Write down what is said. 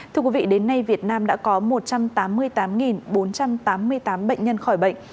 thưa quý vị đến nay việt nam đã có một trăm tám mươi tám bốn trăm tám mươi tám bệnh nhân khỏi bệnh